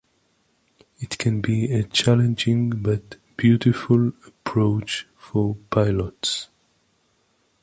It can be a challenging but beautiful approach for pilots.